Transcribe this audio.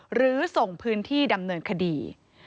หรือส่งพื้นที่ดำเนินคดี